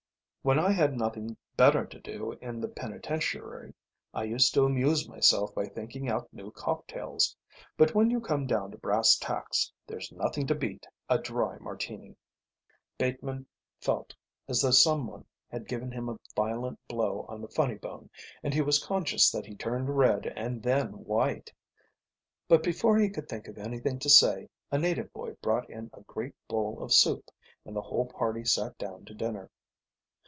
When I had nothing better to do in the penitentiary I used to amuse myself by thinking out new cocktails, but when you come down to brass tacks there's nothing to beat a dry Martini." Bateman felt as though someone had given him a violent blow on the funny bone and he was conscious that he turned red and then white. But before he could think of anything to say a native boy brought in a great bowl of soup and the whole party sat down to dinner.